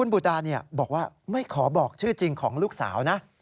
บุตาบอกว่าไม่ขอบอกชื่อจริงของลูกสาวนะ